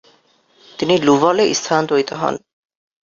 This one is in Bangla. তিনি লুভলে স্থানান্তরিত হন।